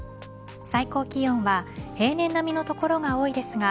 最高気温は平年並みの所が多いですが